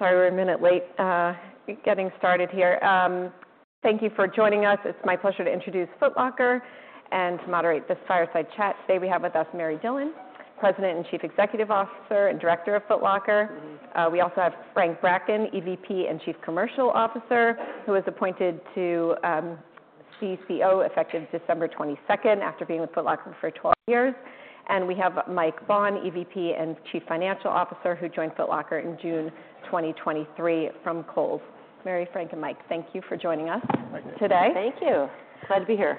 ...everyone. Sorry, we're a minute late, getting started here. Thank you for joining us. It's my pleasure to introduce Foot Locker and to moderate this fireside chat. Today, we have with us Mary Dillon, President and Chief Executive Officer and Director of Foot Locker. We also have Frank Bracken, EVP and Chief Commercial Officer, who was appointed to CCO, effective December 22nd, after being with Foot Locker for 12 years. And we have Mike Baughn, EVP and Chief Financial Officer, who joined Foot Locker in June 2023 from Kohl's. Mary, Frank, and Mike, thank you for joining us today. Thank you. Glad to be here.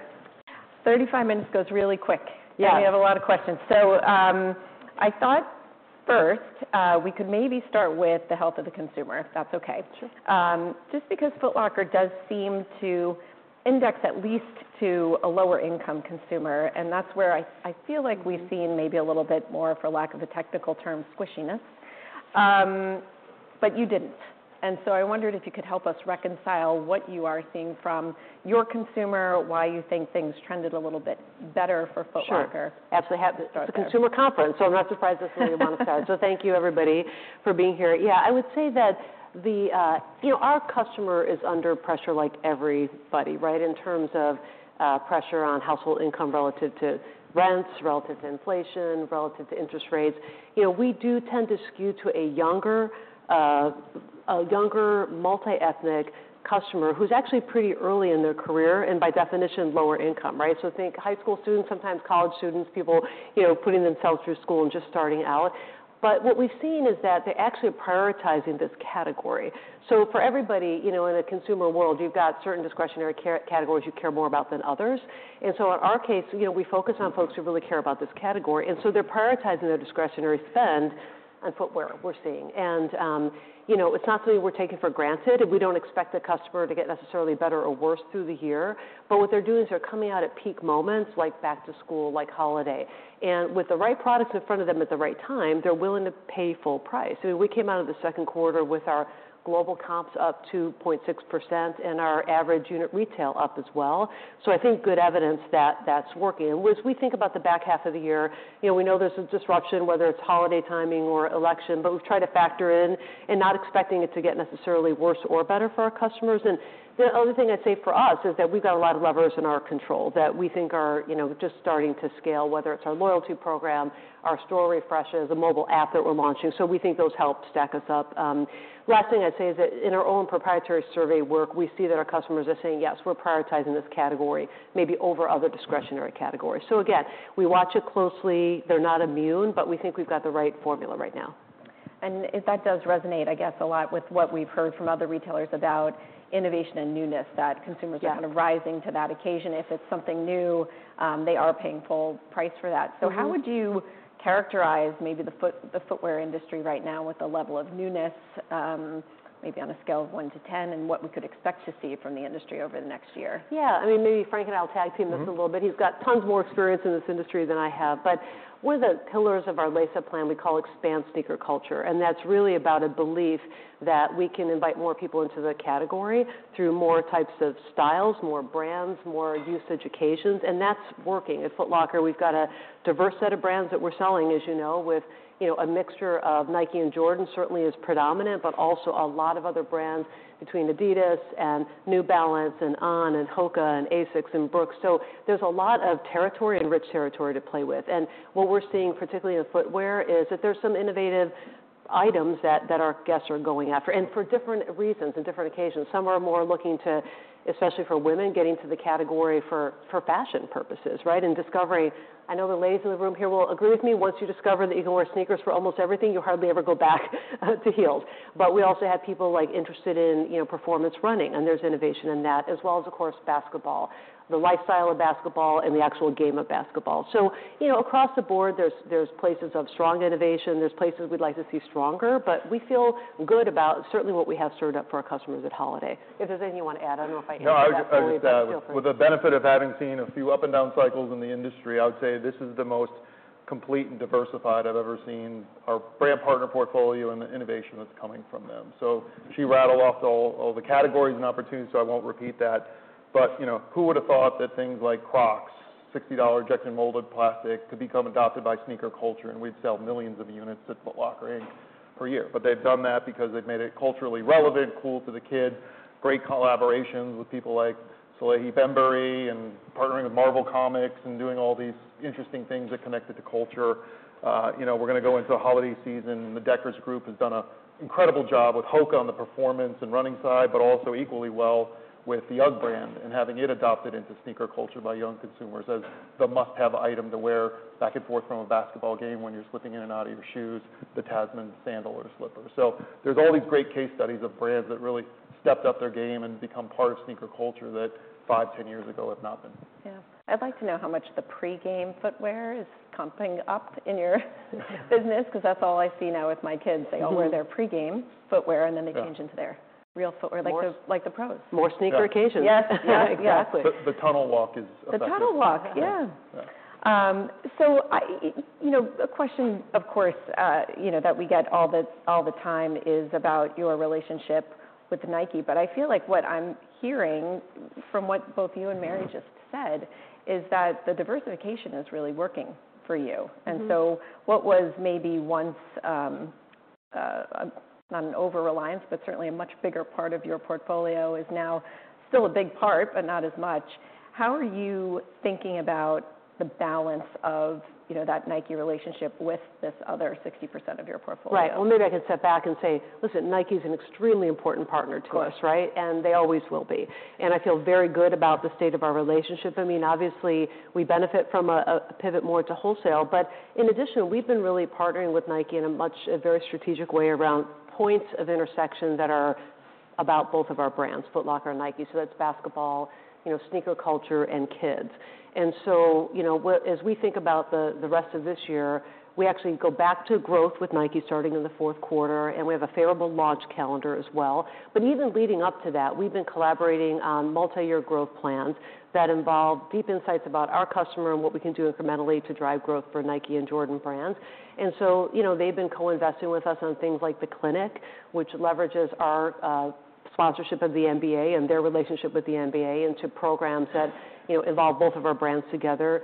35 minutes goes really quick. Yeah. We have a lot of questions. I thought first we could maybe start with the health of the consumer, if that's okay? Sure. Just because Foot Locker does seem to index at least to a lower income consumer, and that's where I feel like we've seen maybe a little bit more, for lack of a technical term, squishiness. But you didn't, and so I wondered if you could help us reconcile what you are seeing from your consumer, why you think things trended a little bit better for Foot Locker? Sure. Absolutely. It's a consumer conference, so I'm not surprised that's where you want to start. So thank you, everybody, for being here. Yeah, I would say that the, you know, our customer is under pressure like everybody, right? In terms of, pressure on household income relative to rents, relative to inflation, relative to interest rates. You know, we do tend to skew to a younger, a younger, multi-ethnic customer, who's actually pretty early in their career, and by definition, lower income, right? So think high school students, sometimes college students, people, you know, putting themselves through school and just starting out. But what we've seen is that they're actually prioritizing this category. So for everybody, you know, in a consumer world, you've got certain discretionary categories you care more about than others. And so in our case, you know, we focus on folks who really care about this category, and so they're prioritizing their discretionary spend on footwear, we're seeing. And, you know, it's not something we're taking for granted, and we don't expect the customer to get necessarily better or worse through the year. But what they're doing is they're coming out at peak moments, like back-to-school, like holiday. And with the right products in front of them at the right time, they're willing to pay full price. So we came out of the second quarter with our global comps up 0.6% and our average unit retail up as well, so I think good evidence that that's working. As we think about the back half of the year, you know, we know there's some disruption, whether it's holiday timing or election, but we've tried to factor in and not expecting it to get necessarily worse or better for our customers. The other thing I'd say for us is that we've got a lot of levers in our control that we think are, you know, just starting to scale, whether it's our loyalty program, our store refreshes, the mobile app that we're launching, so we think those help stack us up. Last thing I'd say is that in our own proprietary survey work, we see that our customers are saying, "Yes, we're prioritizing this category, maybe over other discretionary categories." Again, we watch it closely. They're not immune, but we think we've got the right formula right now. And that does resonate, I guess, a lot with what we've heard from other retailers about innovation and newness, that consumers- Yeah. They are kind of rising to that occasion. If it's something new, they are paying full price for that, so how would you characterize maybe the footwear industry right now with the level of newness, maybe on a scale of one to ten, and what we could expect to see from the industry over the next year? Yeah, I mean, maybe Frank and I will tag team this a little bit. Mm-hmm. He's got tons more experience in this industry than I have. But one of the pillars of our Lace Up Plan, we call Expand Sneaker Culture, and that's really about a belief that we can invite more people into the category through more types of styles, more brands, more use occasions, and that's working. At Foot Locker, we've got a diverse set of brands that we're selling, as you know, with, you know, a mixture of Nike and Jordan certainly is predominant, but also a lot of other brands between Adidas and New Balance and On and HOKA and ASICS and BROOKS. So there's a lot of territory and rich territory to play with. And what we're seeing, particularly in footwear, is that there's some innovative items that our guests are going after, and for different reasons and different occasions. Some are more looking to, specially for women, getting to the category for fashion purposes, right? And discovering, I know the ladies in the room here will agree with me, once you discover that you can wear sneakers for almost everything, you'll hardly ever go back to heels. But we also have people, like, interested in, you know, performance running, and there's innovation in that, as well as, of course, basketball. The lifestyle of basketball and the actual game of basketball. So, you know, across the board, there's places of strong innovation, places we'd like to see stronger, but we feel good about certainly what we have served up for our customers at holiday. If there's anything you want to add, I don't know if I hit that fully, but feel free. No, I, with the benefit of having seen a few up and down cycles in the industry, I would say this is the most complete and diversified I've ever seen our brand partner portfolio and the innovation that's coming from them. So she rattled off all the categories and opportunities, so I won't repeat that. But, you know, who would've thought that things like Crocs, $60 injection molded plastic, could become adopted by sneaker culture, and we'd sell millions of units at Foot Locker Inc. per year? But they've done that because they've made it culturally relevant, cool to the kids, great collaborations with people like Salehe Bembury, and partnering with Marvel Comics, and doing all these interesting things that connected to culture. You know, we're gonna go into a holiday season, and the Deckers group has done an incredible job with Hoka on the performance and running side, but also equally well with the UGG brand and having it adopted into sneaker culture by young consumers as the must-have item to wear back and forth from a basketball game when you're slipping in and out of your shoes, the Tasman sandal or slipper. So there's all these great case studies of brands that really stepped up their game and become part of sneaker culture that five, 10 years ago, have not been. Yeah. I'd like to know how much the pre-game footwear is comping up in your business, 'cause that's all I see now with my kids? Mm-hmm. They all wear their pre-game footwear, and then they- Yeah - change into their real footwear, like the- More-... like the pros. More sneaker occasions. Yeah. Yes. Yeah, exactly. The tunnel walk is effective. The tunnel walk, yeah. Yeah. So you know, a question, of course, you know, that we get all the time is about your relationship with Nike, but I feel like what I'm hearing from what both you and Mary just said, is that the diversification is really working for you. What was maybe once not an over-reliance, but certainly a much bigger part of your portfolio is now still a big part, but not as much. How are you thinking about the balance of, you know, that Nike relationship with this other 60% of your portfolio? Right. Well, maybe I can step back and say: listen, Nike is an extremely important partner to us, right? And they always will be. And I feel very good about the state of our relationship. I mean, obviously, we benefit from a pivot more to wholesale. But in addition, we've been really partnering with Nike in a very strategic way around points of intersection that are about both of our brands, Foot Locker and Nike. So that's basketball, you know, sneaker culture, and kids. And so, you know, as we think about the rest of this year, we actually go back to growth with Nike starting in the fourth quarter, and we have a favorable launch calendar as well. But even leading up to that, we've been collaborating on multiyear growth plans that involve deep insights about our customer and what we can do incrementally to drive growth for Nike and Jordan Brands. And so, you know, they've been co-investing with us on things like THE CLINIC, which leverages our sponsorship of the NBA and their relationship with the NBA into programs that, you know, involve both of our brands together.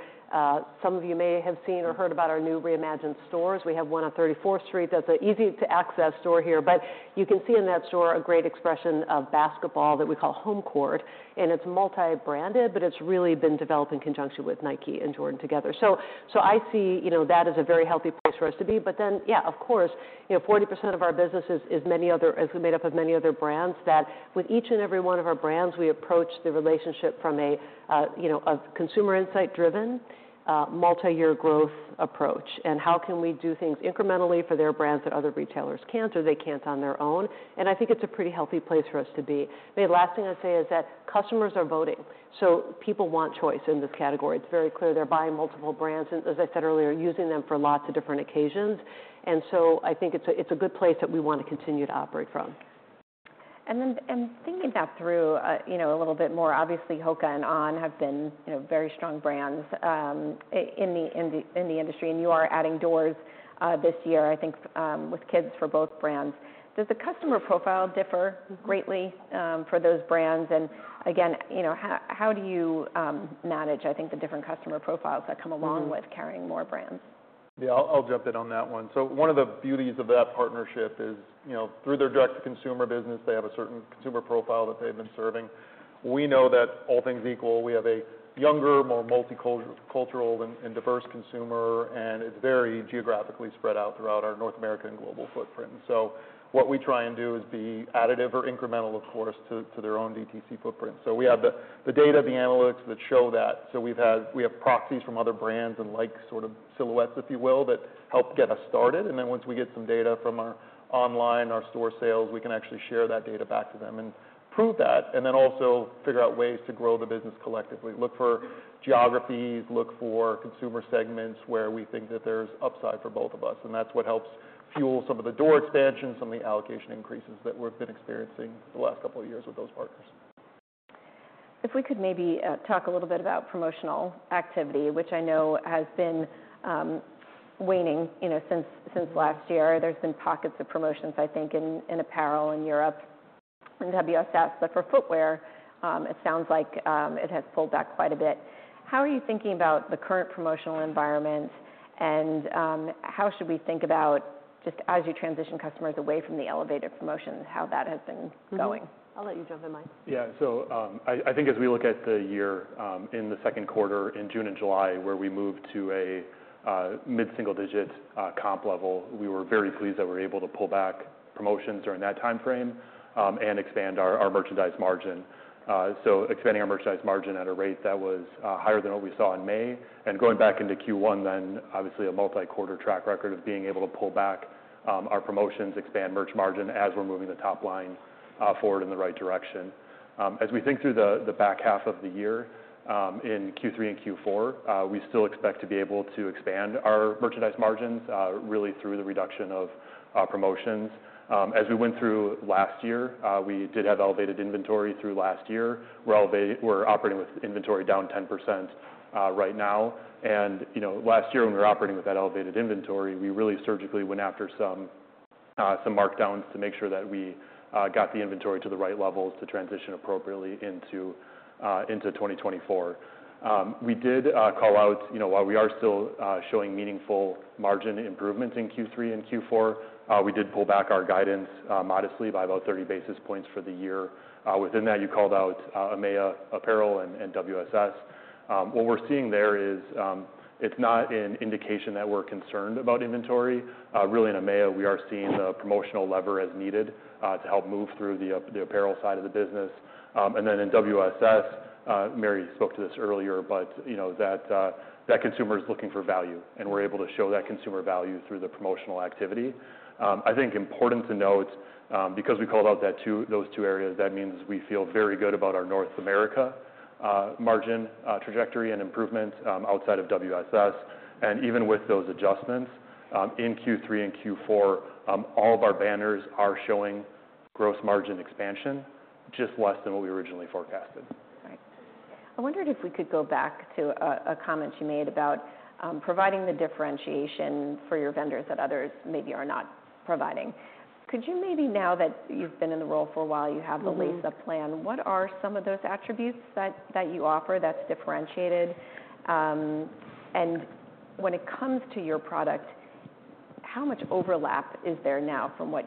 Some of you may have seen or heard about our new reimagined stores. We have one on 34th Street that's an easy-to-access store here. But you can see in that store a great expression of basketball that we call Home Court, and it's multi-branded, but it's really been developed in conjunction with Nike and Jordan together. So, I see, you know, that as a very healthy place for us to be. But then, yeah, of course, you know, 40% of our business is made up of many other brands, that with each and every one of our brands, we approach the relationship from a, you know, a consumer insight-driven, multiyear growth approach. And how can we do things incrementally for their brands that other retailers can't, or they can't on their own? And I think it's a pretty healthy place for us to be. The last thing I'd say is that customers are voting, so people want choice in this category. It's very clear they're buying multiple brands and, as I said earlier, using them for lots of different occasions. And so I think it's a good place that we want to continue to operate from. And then, thinking that through, you know, a little bit more, obviously, HOKA and On have been, you know, very strong brands in the industry, and you are adding doors this year, I think, with kids for both brands. Does the customer profile differ greatly for those brands? And again, you know, how do you manage, I think, the different customer profiles that come along with carrying more brands? Yeah, I'll jump in on that one. So one of the beauties of that partnership is, you know, through their direct-to-consumer business, they have a certain consumer profile that they've been serving. We know that, all things equal, we have a younger, more multicultural, cultural and diverse consumer, and it's very geographically spread out throughout our North American and global footprint. So what we try and do is be additive or incremental, of course, to their own DTC footprint. So we have the data, the analytics that show that. So we have proxies from other brands and like sort of silhouettes, if you will, that help get us started, and then once we get some data from our online, our store sales, we can actually share that data back to them and prove that, and then also figure out ways to grow the business collectively. Look for geographies, look for consumer segments where we think that there's upside for both of us, and that's what helps fuel some of the door expansion, some of the allocation increases that we've been experiencing the last couple of years with those partners. If we could maybe talk a little bit about promotional activity, which I know has been waning, you know, since last year. There's been pockets of promotions, I think, in apparel in Europe and WSS, but for footwear, it sounds like it has pulled back quite a bit. How are you thinking about the current promotional environment, and how should we think about just as you transition customers away from the elevated promotions, how that has been going? I'll let you jump in, Mike. Yeah. So, I think as we look at the year, in the second quarter, in June and July, where we moved to a mid-single-digit comp level, we were very pleased that we were able to pull back promotions during that timeframe, and expand our merchandise margin. So expanding our merchandise margin at a rate that was higher than what we saw in May, and going back into Q1, then obviously a multi-quarter track record of being able to pull back our promotions, expand merch margin as we're moving the top line forward in the right direction. As we think through the back half of the year, in Q3 and Q4, we still expect to be able to expand our merchandise margins, really through the reduction of promotions. As we went through last year, we did have elevated inventory through last year, where we're operating with inventory down 10%, right now. And, you know, last year, when we were operating with that elevated inventory, we really surgically went after some markdowns to make sure that we got the inventory to the right levels to transition appropriately into 2024. We did call out. You know, while we are still showing meaningful margin improvements in Q3 and Q4, we did pull back our guidance modestly by about 30 basis points for the year. Within that, you called out EMEA, apparel and WSS. What we're seeing there is, it's not an indication that we're concerned about inventory. Really in EMEA, we are seeing the promotional lever as needed to help move through the apparel side of the business. And then in WSS, Mary spoke to this earlier, but you know, that consumer is looking for value, and we're able to show that consumer value through the promotional activity. I think important to note, because we called out those two areas, that means we feel very good about our North America margin trajectory and improvements outside of WSS. And even with those adjustments in Q3 and Q4, all of our banners are showing gross margin expansion, just less than what we originally forecasted. Right. I wondered if we could go back to a comment you made about providing the differentiation for your vendors that others maybe are not providing. Could you maybe, now that you've been in the role for a while, you have the Lace Up Plan, what are some of those attributes that you offer that's differentiated? And when it comes to your product, how much overlap is there now from what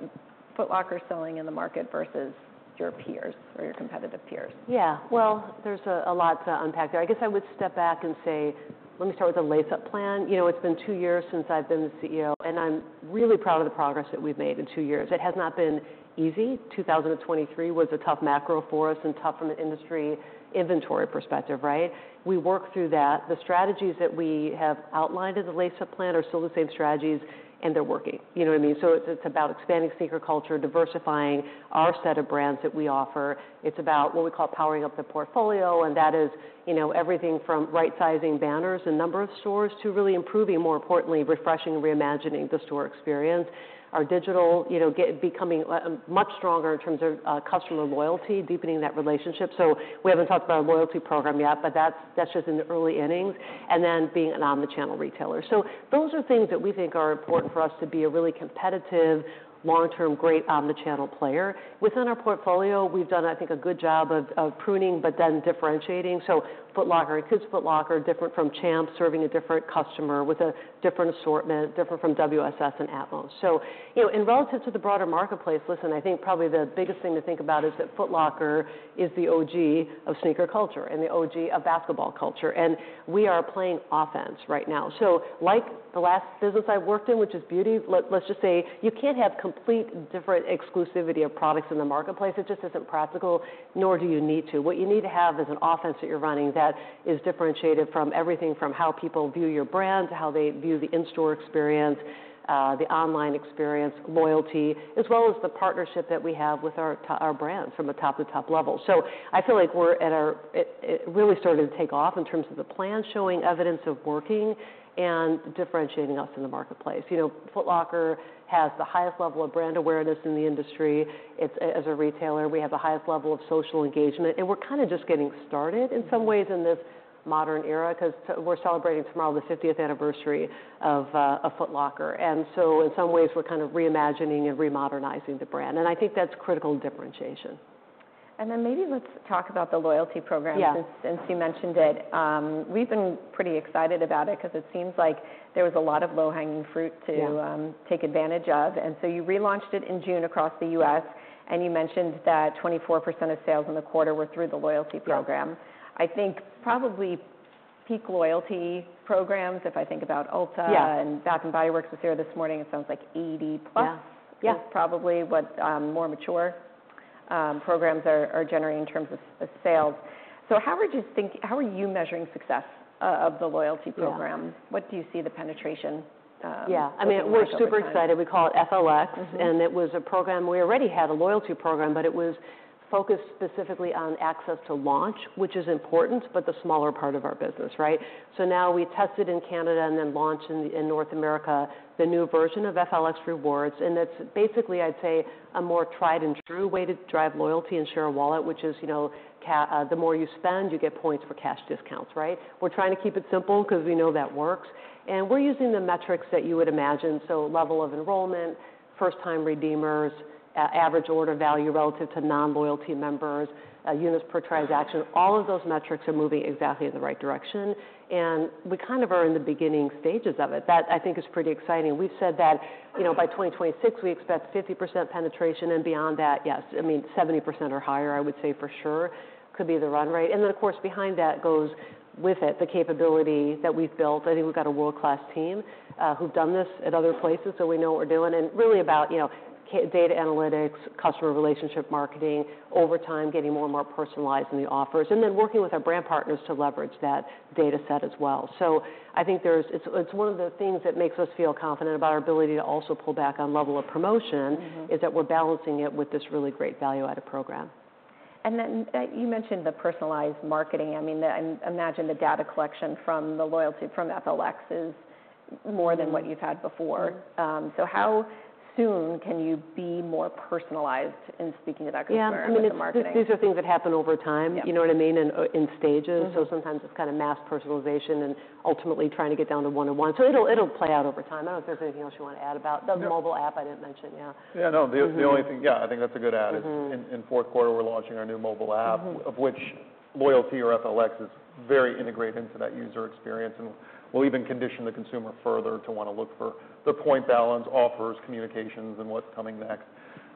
Foot Locker's selling in the market versus your peers or your competitive peers? Yeah, well, there's a lot to unpack there. I guess I would step back and say, let me start with the Lace Up Plan. You know, it's been two years since I've been the CEO, and I'm really proud of the progress that we've made in two years. It has not been easy. 2023 was a tough macro for us and tough from an industry inventory perspective, right? We worked through that. The strategies that we have outlined in the Lace Up Plan are still the same strategies, and they're working. You know what I mean? So it's about expanding sneaker culture, diversifying our set of brands that we offer. It's about what we call powering up the portfolio, and that is, you know, everything from right-sizing banners and number of stores to really improving, more importantly, refreshing and reimagining the store experience. Our digital, you know, becoming much stronger in terms of customer loyalty, deepening that relationship. So we haven't talked about our loyalty program yet, but that's just in the early innings, and then being an omni-channel retailer. So those are things that we think are important for us to be a really competitive, long-term, great omni-channel player. Within our portfolio, we've done, I think, a good job of pruning, but then differentiating. So Foot Locker and Kids Foot Locker are different from Champs, serving a different customer with a different assortment, different from WSS and atmos. So, you know, and relative to the broader marketplace, listen, I think probably the biggest thing to think about is that Foot Locker is the OG of sneaker culture and the OG of basketball culture, and we are playing offense right now. So like the last business I worked in, which is beauty, let's just say, you can't have complete different exclusivity of products in the marketplace. It just isn't practical, nor do you need to. What you need to have is an offense that you're running that is differentiated from everything from how people view your brand, to how they view the in-store experience, the online experience, loyalty, as well as the partnership that we have with our brands from a top-to-top level. So I feel like we're at our. It really starting to take off in terms of the plan, showing evidence of working, and differentiating us in the marketplace. You know, Foot Locker has the highest level of brand awareness in the industry. It's as a retailer, we have the highest level of social engagement, and we're kind of just getting started in some ways in this modern era, 'cause we're celebrating tomorrow, the 50th Anniversary of Foot Locker. And so in some ways, we're kind of reimagining and remodernizing the brand, and I think that's critical in differentiation. And then maybe let's talk about the loyalty program. Yeah... since you mentioned it. We've been pretty excited about it, 'cause it seems like there was a lot of low-hanging fruit to- Yeah... take advantage of, and so you relaunched it in June across the U.S., and you mentioned that 24% of sales in the quarter were through the loyalty program. I think probably peak loyalty programs, if I think about Ulta. Yeah... and Bath & Body Works was here this morning, it sounds like 80+... Yeah, yeah... is probably what more mature programs are generating in terms of sales. So how would you think- how are you measuring success of the loyalty program? What do you see the penetration? Yeah. I mean, we're super excited. We call it FLX. It was a program. We already had a loyalty program, but it was focused specifically on access to launch, which is important, but the smaller part of our business, right? So now we tested in Canada and then launched in North America, the new version of FLX Rewards, and it's basically, I'd say, a more tried-and-true way to drive loyalty and share a wallet, which is, you know, the more you spend, you get points for cash discounts, right? We're trying to keep it simple 'cause we know that works, and we're using the metrics that you would imagine, so level of enrollment, first-time redeemers, average order value relative to non-loyalty members, units per transaction. All of those metrics are moving exactly in the right direction, and we kind of are in the beginning stages of it. That, I think, is pretty exciting. We've said that, you know, by 2026, we expect 50% penetration, and beyond that, yes, I mean, 70% or higher, I would say for sure, could be the run rate. And then, of course, behind that goes with it the capability that we've built. I think we've got a world-class team who've done this at other places, so we know what we're doing, and really about, you know, data analytics, customer relationship marketing, over time, getting more and more personalized in the offers, and then working with our brand partners to leverage that data set as well. So I think there's. It's, it's one of the things that makes us feel confident about our ability to also pull back on level of promotion is that we're balancing it with this really great value-added program. And then, you mentioned the personalized marketing. I mean, then, Imagine the data collection from the loyalty, from FLX, is more than what you've had before. So how soon can you be more personalized in speaking about customer- Yeah, I mean, it's- -marketing? These are things that happen over time. Yeah. You know what I mean? In stages. Mm-hmm. So sometimes it's kind of mass personalization and ultimately trying to get down to one-on-one. So it'll, it'll play out over time. I don't know if there's anything else you want to add about- Yeah... the mobile app I didn't mention, yeah. Yeah, no- Mm-hmm The only thing, yeah, I think that's a good add. Mm-hmm. In fourth quarter, we're launching our new mobile app of which loyalty or FLX is very integrated into that user experience, and we'll even condition the consumer further to wanna look for the point balance, offers, communications, and what's coming next.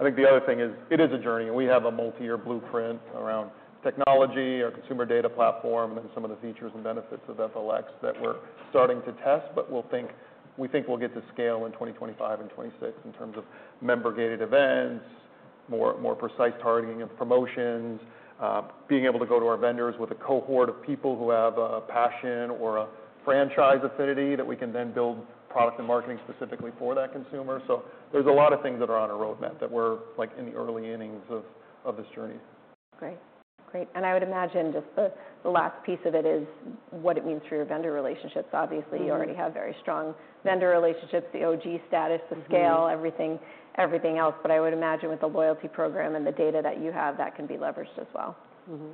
I think the other thing is, it is a journey, and we have a multi-year blueprint around technology, our consumer data platform, and some of the features and benefits of FLX that we're starting to test. But we think we'll get to scale in 2025 and 2026 in terms of member-gated events, more precise targeting and promotions, being able to go to our vendors with a cohort of people who have a passion or a franchise affinity, that we can then build product and marketing specifically for that consumer. So there's a lot of things that are on our roadmap that we're, like, in the early innings of this journey. Great. Great, and I would imagine just the last piece of it is what it means for your vendor relationships. Obviously, you already have very strong vendor relationships, the OG status the scale, everything, everything else. But I would imagine with the loyalty program and the data that you have, that can be leveraged as well. Mm-hmm.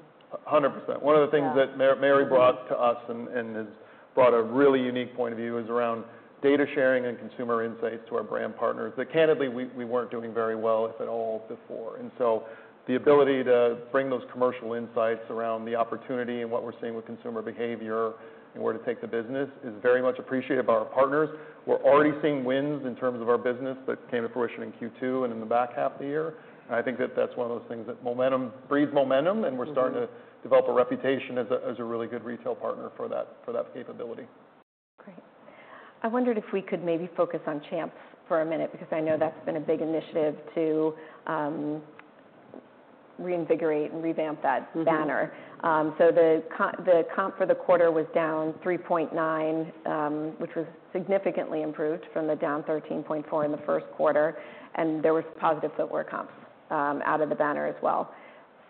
100%. Yeah. One of the things that Mary brought to us and has brought a really unique point of view, is around data sharing and consumer insights to our brand partners, that candidly, we weren't doing very well, if at all, before. And so the ability to bring those commercial insights around the opportunity and what we're seeing with consumer behavior and where to take the business is very much appreciated by our partners. We're already seeing wins in terms of our business that came to fruition in Q2 and in the back half of the year, and I think that that's one of those things that momentum breeds momentum and we're starting to develop a reputation as a really good retail partner for that capability. Great. I wondered if we could maybe focus on Champs for a minute, because I know that's been a big initiative to reinvigorate and revamp that banner. So the comp for the quarter was down 3.9%, which was significantly improved from the down 13.4% in the first quarter, and there was positive footwear comps out of the banner as well.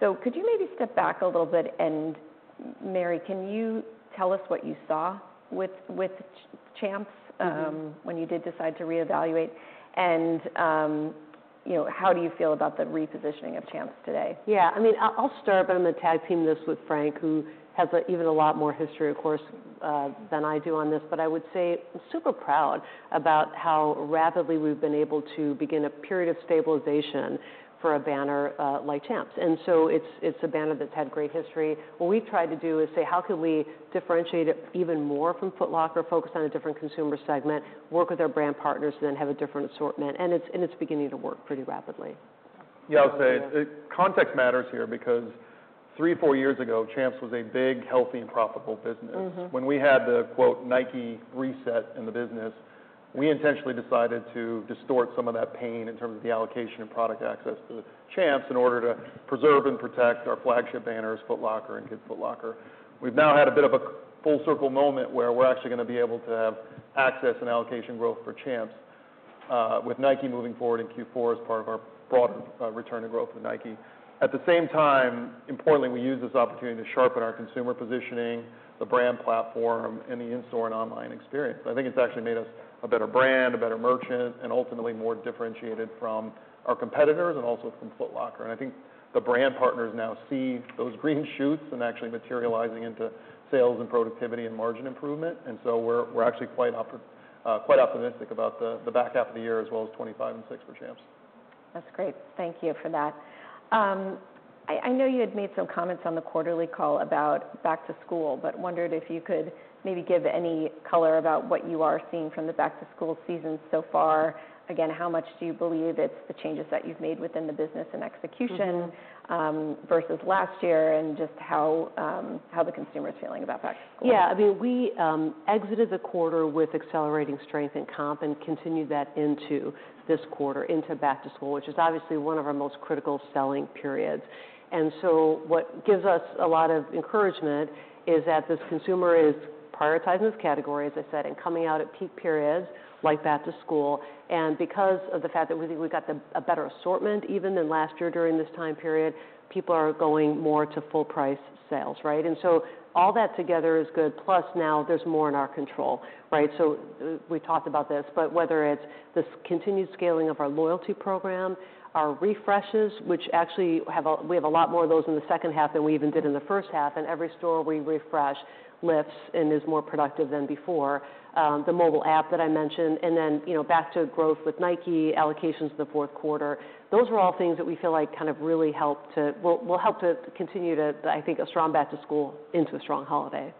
Could you maybe step back a little bit? And, Mary, can you tell us what you saw with Champs when you did decide to reevaluate? And, you know, how do you feel about the repositioning of Champs today? Yeah, I mean, I'll start, but I'm gonna tag-team this with Frank, who has even a lot more history, of course, than I do on this. But I would say I'm super proud about how rapidly we've been able to begin a period of stabilization for a banner like Champs. And so it's a banner that's had great history. What we've tried to do is say, "How can we differentiate it even more from Foot Locker, focus on a different consumer segment, work with our brand partners, then have a different assortment?" And it's beginning to work pretty rapidly. Yeah, I'll say, context matters here, because three, four years ago, Champs was a big, healthy, and profitable business. Mm-hmm. When we had the “Nike reset” in the business, we intentionally decided to distort some of that pain in terms of the allocation and product access to Champs in order to preserve and protect our flagship banners, Foot Locker and Kids Foot Locker. We've now had a bit of a full circle moment, where we're actually gonna be able to have access and allocation growth for Champs with Nike moving forward in Q4 as part of our broad return to growth with Nike. At the same time, importantly, we used this opportunity to sharpen our consumer positioning, the brand platform, and the in-store and online experience. I think it's actually made us a better brand, a better merchant, and ultimately, more differentiated from our competitors and also from Foot Locker. I think the brand partners now see those green shoots and actually materializing into sales and productivity and margin improvement, and so we're actually quite optimistic about the back half of the year, as well as 2025 and 2026 for Champs. That's great. Thank you for that. I know you had made some comments on the quarterly call about Back-to-School, but wondered if you could maybe give any color about what you are seeing from the Back-to-School season so far. Again, how much do you believe it's the changes that you've made within the business and execution versus last year, and just how the consumer is feeling about Back-to-School? Yeah, I mean, we exited the quarter with accelerating strength in comp and continued that into this quarter, into Back-to-School, which is obviously one of our most critical selling periods. And so what gives us a lot of encouragement is that this consumer is prioritizing this category, as I said, and coming out at peak periods, like Back-to-School. And because of the fact that we think we got the, a better assortment even than last year during this time period, people are going more to full price sales, right? And so all that together is good, plus now there's more in our control, right? So we talked about this, but whether it's this continued scaling of our loyalty program, our refreshes, which actually have a we have a lot more of those in the second half than we even did in the first half, and every store we refresh lifts and is more productive than before. The mobile app that I mentioned, and then, you know, back to growth with Nike, allocations in the fourth quarter, those are all things that we feel like kind of really will help to continue to, I think, a strong Back-to-School into a strong holiday.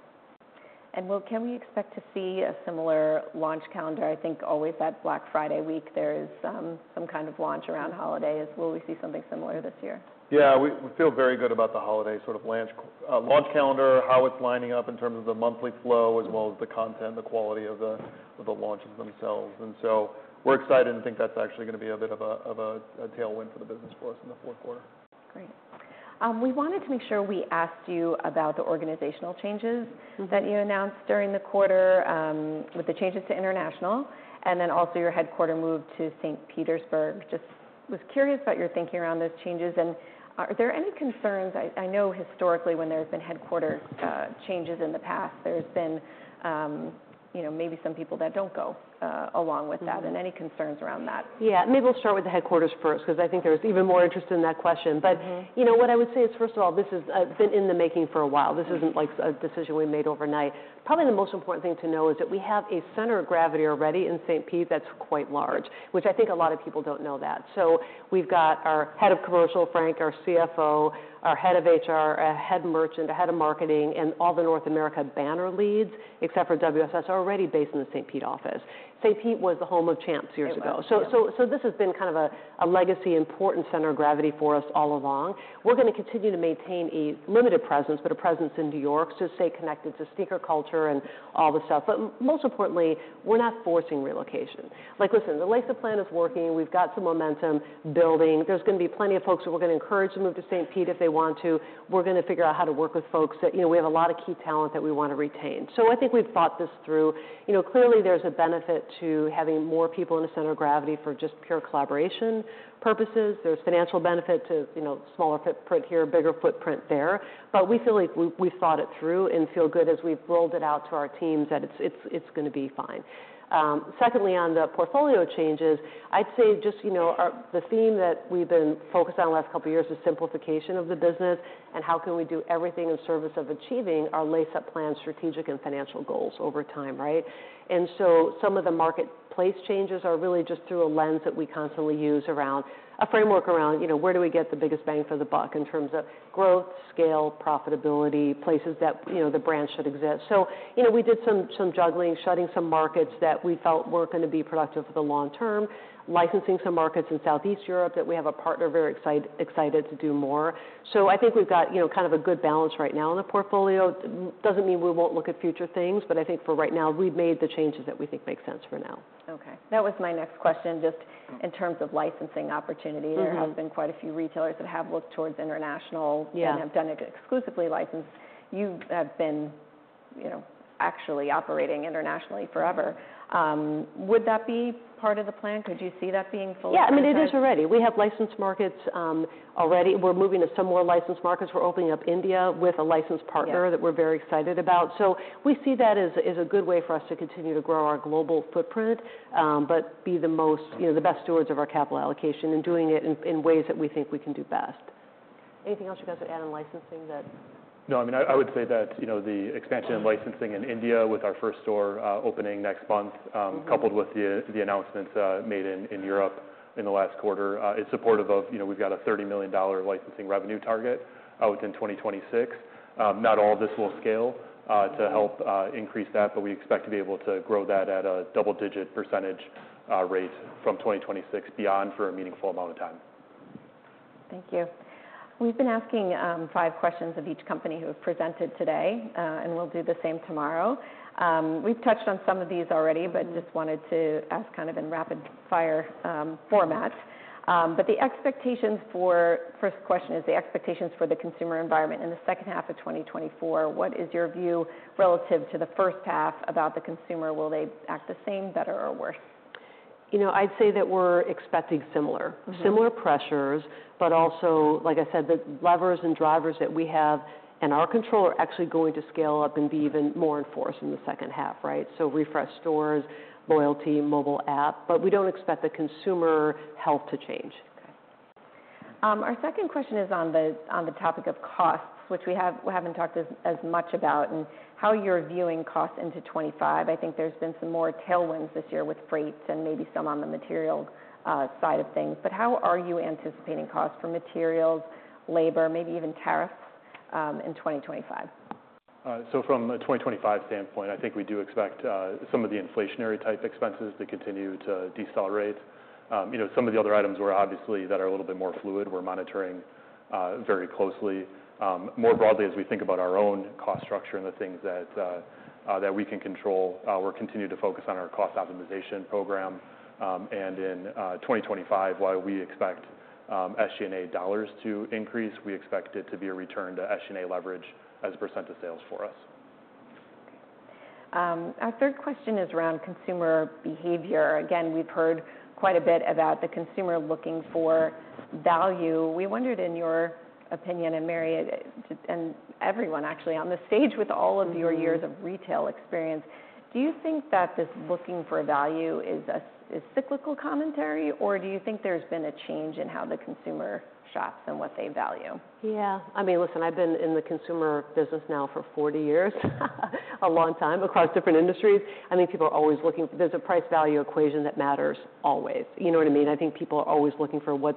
Can we expect to see a similar launch calendar? I think always that Black Friday week, there is, some kind of launch around holidays. Will we see something similar this year? Yeah, we feel very good about the holiday sort of launch, launch calendar, how it's lining up in terms of the monthly flow as well as the content, the quality of the launches themselves, and so we're excited and think that's actually gonna be a bit of a tailwind for the business for us in the fourth quarter. Great. We wanted to make sure we asked you about the organizational changes that you announced during the quarter, with the changes to international, and then also your headquarters move to St. Petersburg. Just was curious about your thinking around those changes, and are there any concerns? I know historically, when there's been headquarters changes in the past, there's been, you know, maybe some people that don't go along with that. Any concerns around that? Yeah. Maybe we'll start with the headquarters first, because I think there's even more interest in that question. But, you know, what I would say is, first of all, this has been in the making for a while. This isn't, like, a decision we made overnight. Probably the most important thing to know is that we have a center of gravity already in St. Pete that's quite large, which I think a lot of people don't know that. So we've got our head of commercial, Frank, our CFO, our head of HR, a head merchant, a head of marketing, and all the North America banner leads, except for WSS, are already based in the St. Pete office. St. Pete was the home of Champs years ago. So this has been kind of a legacy, important center of gravity for us all along. We're gonna continue to maintain a limited presence, but a presence in New York, to stay connected to sneaker culture and all the stuff. But most importantly, we're not forcing relocation. Like, listen, the Lace Up Plan is working. We've got some momentum building. There's gonna be plenty of folks who we're gonna encourage to move to St. Pete if they want to. We're gonna figure out how to work with folks that... You know, we have a lot of key talent that we want to retain. So I think we've thought this through. You know, clearly, there's a benefit to having more people in the center of gravity for just pure collaboration purposes. There's financial benefit to, you know, smaller footprint here, bigger footprint there. But we feel like we've thought it through and feel good as we've rolled it out to our teams, that it's gonna be fine. Secondly, on the portfolio changes, I'd say just, you know, the theme that we've been focused on the last couple of years is simplification of the business, and how can we do everything in service of achieving our Lace Up Plan's strategic and financial goals over time, right? And so some of the marketplace changes are really just through a lens that we constantly use around a framework around, you know, where do we get the biggest bang for the buck in terms of growth, scale, profitability, places that, you know, the brand should exist? So, you know, we did some juggling, shutting some markets that we felt weren't gonna be productive for the long term, licensing some markets in Southeast Europe that we have a partner, very excited to do more. So I think we've got, you know, kind of a good balance right now in the portfolio. Doesn't mean we won't look at future things, but I think for right now, we've made the changes that we think make sense for now. Okay. That was my next question, just in terms of licensing opportunity. There have been quite a few retailers that have looked toward international- Yeah... and have done it exclusively licensed. You have been you know, actually operating internationally forever. Would that be part of the plan? Could you see that being full? Yeah, I mean, it is already. We have licensed markets already. We're moving to some more licensed markets. We're opening up India with a licensed partner that we're very excited about. So we see that as a good way for us to continue to grow our global footprint, but be the most, you know, the best stewards of our capital allocation and doing it in ways that we think we can do best. Anything else you guys would add on licensing that- No, I mean, I would say that, you know, the expansion in licensing in India with our first store opening next month coupled with the announcements made in Europe in the last quarter is supportive of, you know, we've got a $30 million licensing revenue target out in 2026. Not all of this will scale to help increase that, but we expect to be able to grow that at a double-digit percentage rate from 2026 beyond for a meaningful amount of time. Thank you. We've been asking five questions of each company who have presented today, and we'll do the same tomorrow. We've touched on some of these already, but just wanted to ask kind of in rapid-fire format. First question is the expectations for the consumer environment in the second half of 2024, what is your view relative to the first half about the consumer? Will they act the same, better, or worse? You know, I'd say that we're expecting similar. Similar pressures, but also, like I said, the levers and drivers that we have in our control are actually going to scale up and be even more in force in the second half, right? So refresh stores, loyalty, mobile app, but we don't expect the consumer health to change. Our second question is on the topic of costs, which we haven't talked as much about, and how you're viewing costs into 2025. I think there's been some more tailwinds this year with freights and maybe some on the material side of things, but how are you anticipating costs for materials, labor, maybe even tariffs, in 2025? So from a 2025 standpoint, I think we do expect some of the inflationary type expenses to continue to decelerate. You know, some of the other items were obviously that are a little bit more fluid, we're monitoring very closely. More broadly, as we think about our own cost structure and the things that that we can control, we're continuing to focus on our cost optimization program. And in 2025, while we expect SG&A dollars to increase, we expect it to be a return to SG&A leverage as a % of sales for us. Our third question is around consumer behavior. Again, we've heard quite a bit about the consumer looking for value. We wondered, in your opinion, and Mary, and everyone actually on the stage with all of your years of retail experience, do you think that this looking for value is a cyclical commentary, or do you think there's been a change in how the consumer shops and what they value? Yeah. I mean, listen, I've been in the consumer business now for forty years, a long time, across different industries. I think people are always looking. There's a price-value equation that matters always. You know what I mean? I think people are always looking for what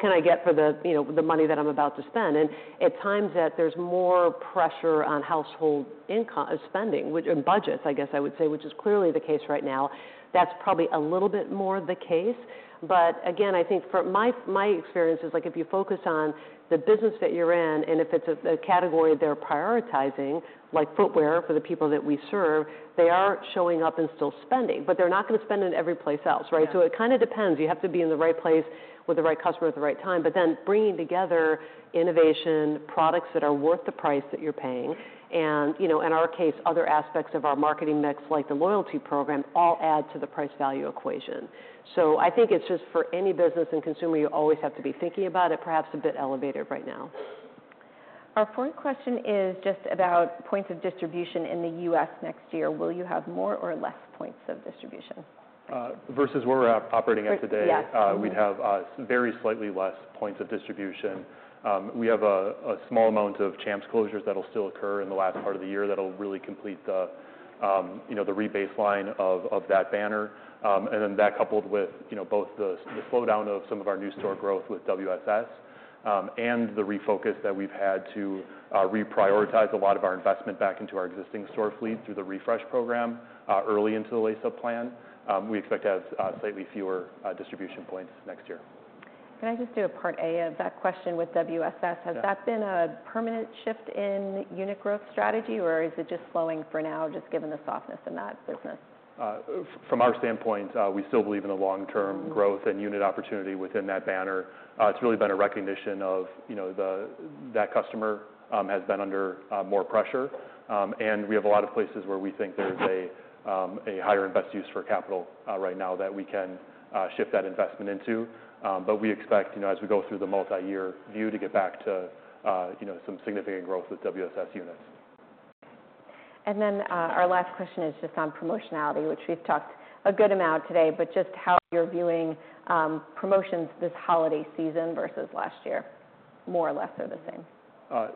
can I get for the, you know, the money that I'm about to spend? And at times that there's more pressure on household income, spending, and budgets, I guess I would say, which is clearly the case right now, that's probably a little bit more the case. But again, I think for my experience is, like, if you focus on the business that you're in, and if it's a category they're prioritizing, like footwear for the people that we serve, they are showing up and still spending, but they're not gonna spend it every place else, right? So it kind of depends. You have to be in the right place with the right customer at the right time, but then bringing together innovation, products that are worth the price that you're paying, and, you know, in our case, other aspects of our marketing mix, like the loyalty program, all add to the price-value equation. So I think it's just for any business and consumer, you always have to be thinking about it, perhaps a bit elevated right now. Our fourth question is just about points of distribution in the U.S. next year. Will you have more or less points of distribution? Versus where we're operating at today we'd have very slightly less points of distribution. We have a small amount of Champs closures that'll still occur in the last part of the year that'll really complete the, you know, the rebaseline of that banner. And then that coupled with, you know, both the slowdown of some of our new store growth with WSS, and the refocus that we've had to reprioritize a lot of our investment back into our existing store fleet through the refresh program, early into the Lace Up Plan, we expect to have slightly fewer distribution points next year. Can I just do a part A of that question with WSS? Yeah. Has that been a permanent shift in unit growth strategy, or is it just slowing for now, just given the softness in that business? From our standpoint, we still believe in the long-term growth and unit opportunity within that banner. It's really been a recognition of, you know, that customer has been under more pressure. And we have a lot of places where we think there's a higher and best use for capital right now that we can shift that investment into. But we expect, you know, as we go through the multiyear view, to get back to, you know, some significant growth with WSS units. And then, our last question is just on promotionality, which we've talked a good amount today, but just how you're viewing, promotions this holiday season versus last year, more or less or the same?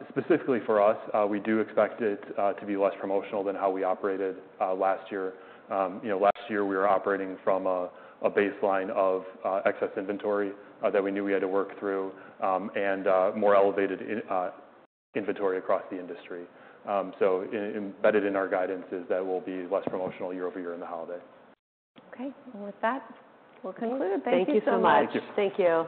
Specifically for us, we do expect it to be less promotional than how we operated last year. You know, last year we were operating from a baseline of excess inventory that we knew we had to work through, and more elevated inventory across the industry. So embedded in our guidance is that we'll be less promotional year-over-year in the holiday. Okay, and with that, we'll conclude. Thank you so much. Thank you. Thank you.